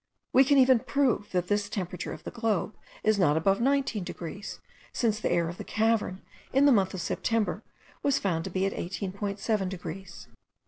We can even prove that this temperature of the globe is not above 19 degrees, since the air of the cavern, in the month of September, was found to be at 18.7 degrees.